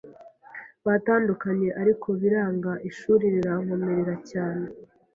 batandukanye ariko biranga ishuri rirankomerera cyane